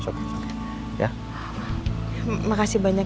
tapi mereka sudah earl